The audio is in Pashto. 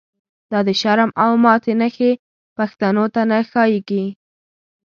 دا دشرم او ماتی نښی، پښتنوته نه ښاییږی